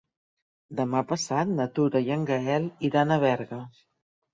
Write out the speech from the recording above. Demà passat na Tura i en Gaël iran a Berga.